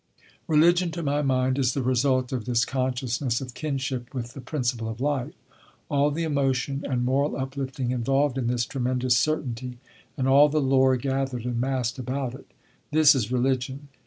Religion, to my mind, is the result of this consciousness of kinship with the principle of Life; all the emotion and moral uplifting involved in this tremendous certainty, and all the lore gathered and massed about it this is Religion.